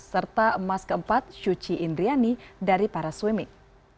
serta emas keempat syuci indriani dari para swimmick